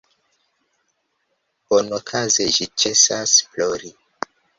Bonokaze ĝi ĉesas plori.